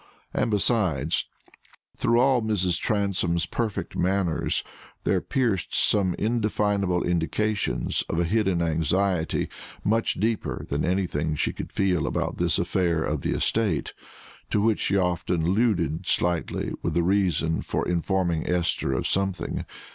And besides, through all Mrs. Transome's perfect manners, there pierced some undefinable indications of a hidden anxiety much deeper than anything she could feel about this affair of the estate to which she often alluded slightly as a reason for informing Esther of something.